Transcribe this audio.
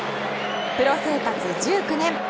プロ生活１９年。